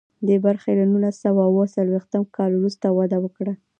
دې برخې له نولس سوه اوه څلویښتم کال وروسته وده وکړه.